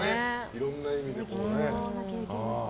いろんな意味でね。